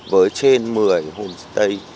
với trên một mươi homestay